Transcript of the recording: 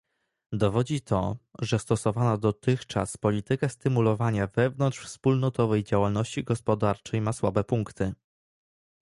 Dowodzi to, że stosowana dotychczas polityka stymulowania wewnątrzwspólnotowej działalności gospodarczej ma słabe punkty